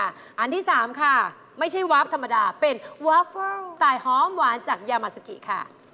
อันที่๓ค่ะไม่ใช่วาร์ฟธรรมดาเป็นวาเฟิลตายหอมหวานจากยามาซากิค่ะ